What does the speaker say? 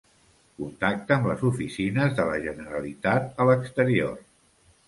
Contacta amb les oficines de la Generalitat a l'exterior.